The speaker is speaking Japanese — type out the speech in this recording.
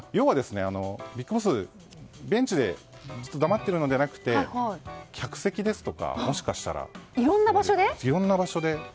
要はＢＩＧＢＯＳＳ、ベンチでずっと黙っているのではなく客席ですとか、もしかしたらいろんな場所で。